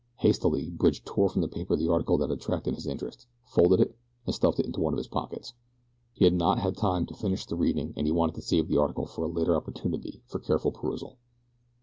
Hastily Bridge tore from the paper the article that had attracted his interest, folded it, and stuffed it into one of his pockets he had not had time to finish the reading and he wanted to save the article for a later opportunity for careful perusal.